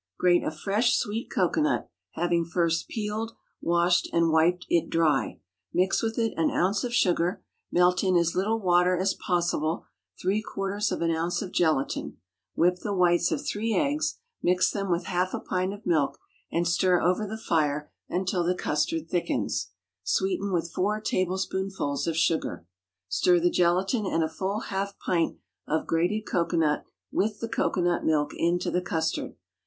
_ Grate a fresh, sweet cocoanut (having first peeled, washed, and wiped it dry); mix with it an ounce of sugar; melt in as little water as possible three quarters of an ounce of gelatine; whip the whites of three eggs, mix them with half a pint of milk, and stir over the fire until the custard thickens; sweeten with four tablespoonfuls of sugar. Stir the gelatine and a full half pint of grated cocoanut with the cocoanut milk into the custard.